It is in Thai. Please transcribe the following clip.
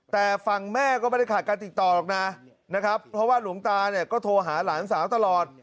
แต่ฝั่งแม่ก็ไม่ได้ขาดการติดต่อหรอกนะนะครับเพราะว่าหลวงตาเนี่ยก็โทรหาหลานสาวตลอด